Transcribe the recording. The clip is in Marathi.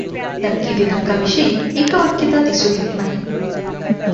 नक्की दिनांकाविषयी एकवाक्यता दिसून येत नाही.